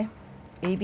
エビ